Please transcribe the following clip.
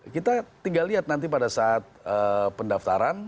kita tinggal lihat nanti pada saat pendaftaran